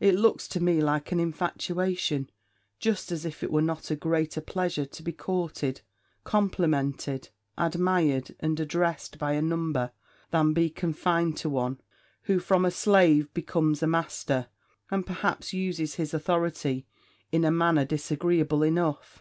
It looks to me like an infatuation; just as if it were not a greater pleasure to be courted, complimented, admired, and addressed, by a number, than be confined to one, who, from a slave, becomes a master; and, perhaps, uses his authority in a manner disagreeable enough.